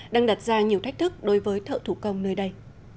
đang đặt ra nhiều thách thức đối với thợ thủ công nơi đây